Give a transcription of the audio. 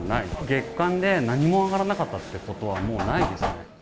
月間で何も上がらなかったってことはもうないですね。